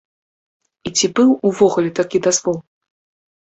І ці быў увогуле такі дазвол?